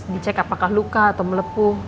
dicek apakah luka atau melepuh